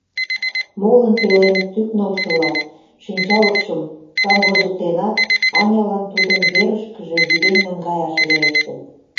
Молын пелен тӱкнылшыла, шинчалыкшым камвозыктенат, Анялан тудым верышкыже вӱден наҥгаяш верештын.